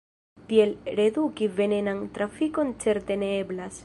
Tiel redukti venenan trafikon certe ne eblas.